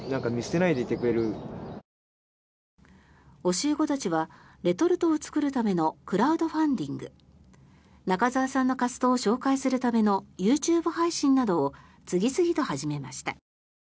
教え子たちはレトルトを作るためのクラウドファンディング中澤さんの活動を紹介するためのＹｏｕＴｕｂｅ配信などを次々と始めました。